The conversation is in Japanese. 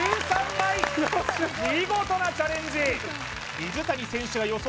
枚見事なチャレンジ